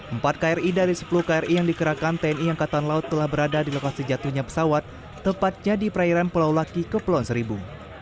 empat kri dari sepuluh kri yang dikerahkan tni angkatan laut telah berada di lokasi jatuhnya pesawat tepatnya di perairan pulau laki kepulauan seribu